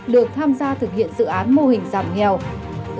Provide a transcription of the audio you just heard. được tham gia thực hiện dự án mô hình giảm nghèo